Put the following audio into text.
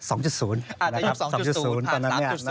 อาจจะยุค๒๐ผ่าน๓๐